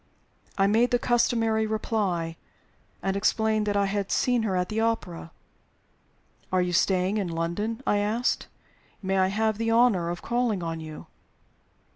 I made the customary reply, and explained that I had seen her at the opera. "Are you staying in London?" I asked. "May I have the honor of calling on you?"